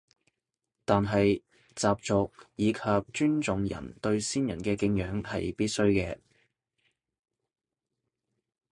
但係習俗以及尊重人對先人嘅敬仰係必須嘅